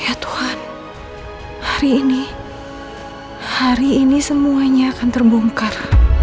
ya tuhan hari ini hari ini semuanya akan terbongkar